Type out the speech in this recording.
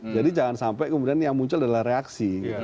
jadi jangan sampai kemudian yang muncul adalah reaksi